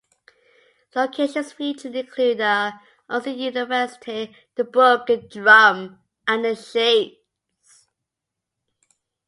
Locations featured include the Unseen University, the Broken Drum, and the Shades.